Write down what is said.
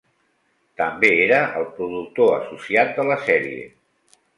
També era el productor associat de la sèrie.